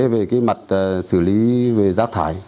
về cái mặt xử lý về rác thải